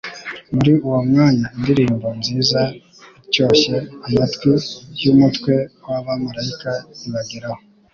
Muri uwo mwanya indirimbo nziza ityohcye amatwi y'umutwe w'abamaraika ibageraho.